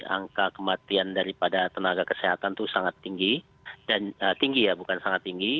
angka kematian daripada tenaga kesehatan itu sangat tinggi dan tinggi ya bukan sangat tinggi